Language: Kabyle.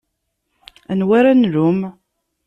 Anwa ara nlumm?